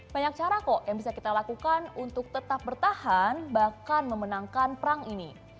banyak cara kok yang bisa kita lakukan untuk tetap bertahan bahkan memenangkan perang ini